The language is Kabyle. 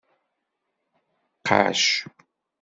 Qacc.